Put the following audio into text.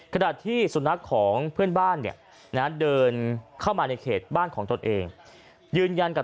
ขณะที่สุนัขของเพื่อนบ้านเนี่ยนะเดินเข้ามาในเขตบ้านของตนเองยืนยันกับ